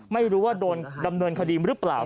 ไม่รู้ว่าโดนดำเนินคดีหรือเปล่า